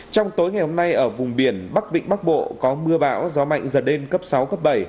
trong tối ngày hôm nay ở vùng biển bắc vịnh bắc bộ có mưa bão gió mạnh dần lên cấp sáu cấp bảy